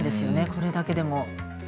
これだけでも。